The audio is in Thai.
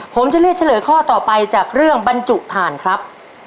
ผมจะเลือกเฉลยข้อต่อไปจากเรื่องบรรจุฐานครับ